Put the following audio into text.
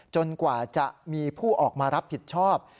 กว่าจะมีผู้ออกมารับผิดชอบ